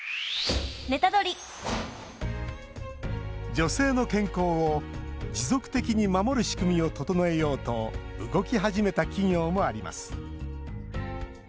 女性の健康を持続的に守る仕組みを整えようと動き始めた企業もあります。